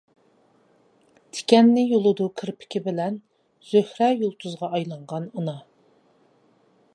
تىكەننى يۇلىدۇ كىرپىكى بىلەن، زۆھرە يۇلتۇزىغا ئايلانغان ئانا.